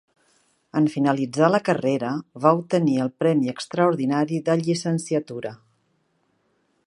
En finalitzar la carrera va obtenir el Premi Extraordinari de Llicenciatura.